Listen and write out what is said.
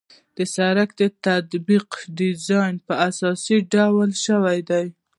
د سرک د طبقاتو ډیزاین په اساسي ډول شوی دی